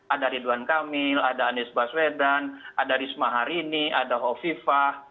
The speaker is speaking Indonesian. ada ridwan kamil ada anies baswedan ada risma harini ada hovifah